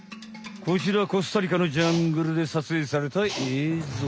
こちらコスタリカのジャングルでさつえいされた映像。